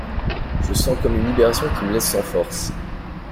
Je sens comme une libération qui me laisse sans forces.